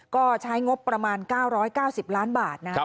ก็ใช้งบประมาณ๙๙๐ล้านบาทนะครับ